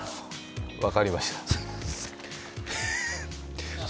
分かりました。